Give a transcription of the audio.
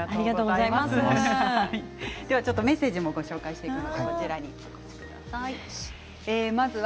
メッセージもご紹介していきます。